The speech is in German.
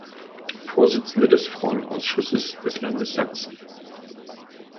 Vorsitzende des Frauenausschusses des Landes Sachsen.